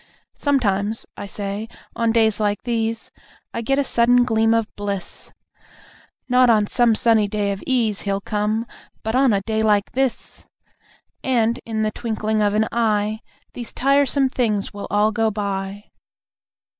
Sometimes, I say, on days like these, I get a sudden gleam of bliss. "Not on some sunny day of ease, He'll come .. but on a day like this!" And, in the twinkling of an eye, These tiresome things will all go by!